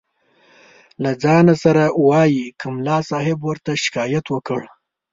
له ځانه سره وایي که ملا صاحب ورته شکایت وکړ.